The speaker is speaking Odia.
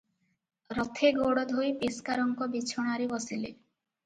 ରଥେ ଗୋଡ ଧୋଇ ପେସ୍କାରଙ୍କ ବିଛଣାରେ ବସିଲେ ।